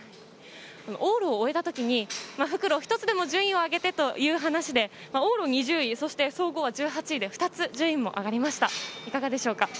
往路を終えた時に復路、１つでも順位を上げてという話で往路２０位、総合１８位、２つ順位が上がりました。